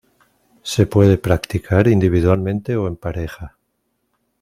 Se puede practicar individualmente o en pareja.